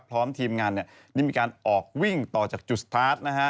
พร้อมทีมงานนี่มีการออกวิ่งต่อจากจุฏฐานะฮะ